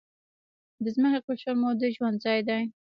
د ځمکې قشر مو د ژوند ځای دی.